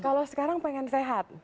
kalau sekarang pengen sehat